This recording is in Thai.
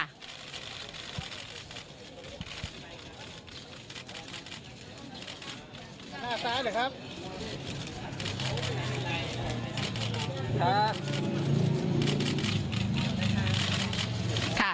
หน้าตาเดี๋ยวครับ